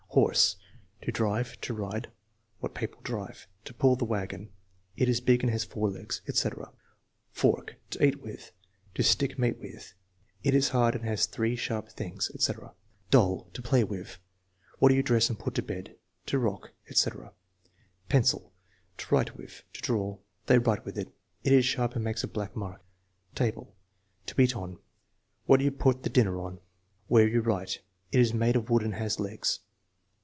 Horse: "To drive." "To ride." "What people drive." "To pull the wagon." "It is big and has four legs," etc. Fork: "To eat with." "To stick meat with." "It is hard and has three sharp things," etc. Doll: "To play with." "What you dress and put to bed." "To rock," etc. Pencil: "To write with." "To draw." "They write with it." "It is sharp and makes a black mark." Table: "To eat on." "What you put the dinner on." "Where you write." "It is made of wood and has legs."